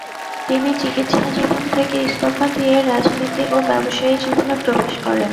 তিনি চিকিৎসাজীবন থেকে ইস্তফা দিয়ে রাজনীতি ও ব্যবসায়ী জীবনে প্রবেশ করেন।